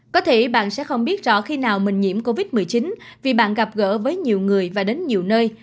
có thể bạn sẽ không biết rõ khi nào mình nhiễm covid một mươi chín vì bạn gặp gỡ với nhiều người và đến nhiều nơi